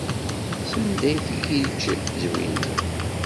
Sanda ad tgiǧǧ Zwina?